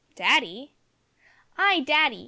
"Daddy?" "Ay, daddy.